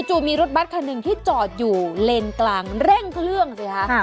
มีรถบัตรคันหนึ่งที่จอดอยู่เลนกลางเร่งเครื่องสิคะ